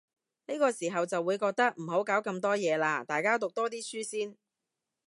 呢啲時候就會覺得，唔好搞咁多嘢喇，大家讀多啲書先